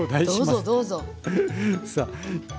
どうぞどうぞ。